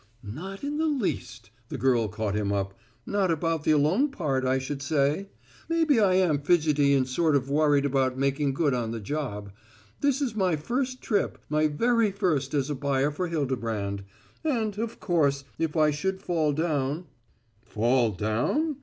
"Not in the least," the girl caught him up. "Not about the alone part, I should say. Maybe I am fidgety and sort of worried about making good on the job. This is my first trip my very first as a buyer for Hildebrand. And, of course, if I should fall down " "Fall down?"